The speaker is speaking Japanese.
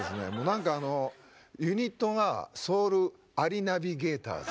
なんかユニットがソウルアリナビゲーターズ。